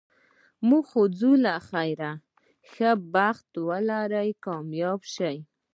موږ ځو له خیره، ښه بخت ولرې، کامیاب شه.